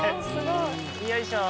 よいしょ。